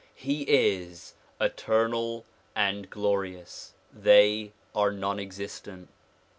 He is eternal and glorious ; they are non existent.